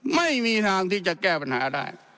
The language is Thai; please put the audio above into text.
ไม่มีทางที่จะแก้ปัญหาได้